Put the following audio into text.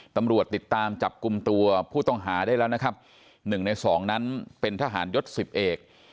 ตำรวจติดตามจับกลุ่มตัวผู้ต้องหาได้แล้วนะครับหนึ่งในสองนั้นเป็นทหารยศสิบเอก